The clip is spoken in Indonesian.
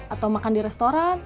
atau makan di restoran